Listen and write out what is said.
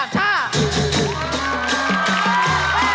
โอ้โหโอ้โหโอ้โห